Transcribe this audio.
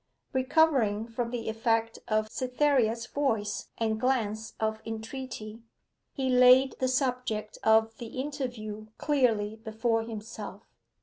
Recovering from the effect of Cytherea's voice and glance of entreaty, he laid the subject of the interview clearly before himself.